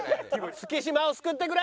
月島を救ってくれ！